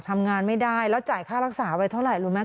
ทำงานไม่ได้แล้วจ่ายค่ารักษาไว้เท่าไหร่รู้ไหม